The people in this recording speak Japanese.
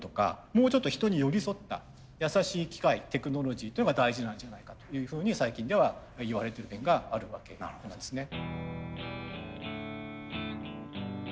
もうちょっと人に寄り添った優しい機械テクノロジーというのが大事なんじゃないかというふうに最近ではいわれてる面があるわけなんですね。